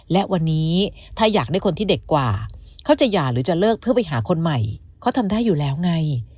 และวันนี้ถ้าอยากได้คนที่เด็กกว่าเขาจะหย่าหรือจะเลิกเพื่อไปหาคนใหม่เขาทำได้อยู่แล้วไง